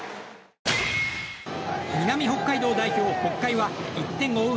南北海道代表・北海は１点を追う